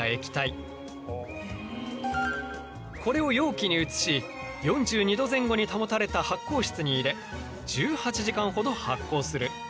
これを容器に移し４２度前後に保たれた発酵室に入れ１８時間ほど発酵する。